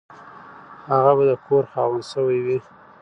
هغه به د کور خاوند شوی وي.